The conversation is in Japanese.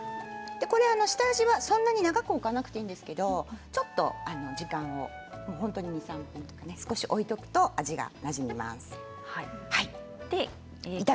下味はそんなに長く置かなくていいんですけどもちょっと時間を本当に２、３分とか少し置いておくと炒めます。